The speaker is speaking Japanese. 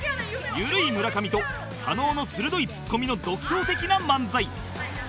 緩い村上と加納の鋭いツッコミの独創的な漫才